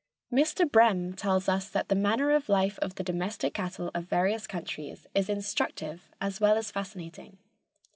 Mr. Brehm tells us that the manner of life of the domestic cattle of various countries is instructive as well as fascinating.